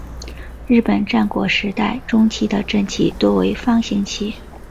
日本战国时代中期的阵旗多为方形旗。